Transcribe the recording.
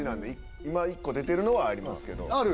今１個出てるのはありますけどある？